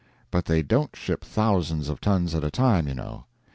But they don't ship thousands of tons at a time, you know.